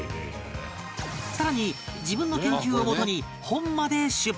更に自分の研究をもとに本まで出版